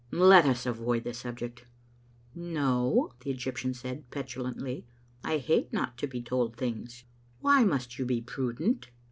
" Let us avoid the subject." " No," the Egyptian said, petulantly. " I hate not to be told things. Why must you be *prudent?'"